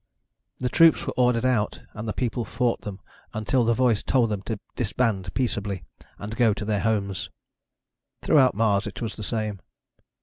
The troops were ordered out and the people fought them until the voice told them to disband peaceably and go to their homes. Throughout Mars it was the same.